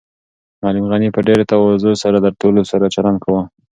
معلم غني په ډېرې تواضع سره له ټولو سره چلند کاوه.